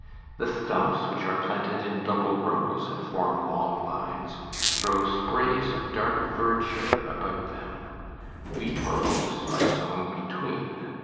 The stumps, which are planted in double rows, and form long lines, throw sprays of dark verdure around them. Wheat or oats are sown between.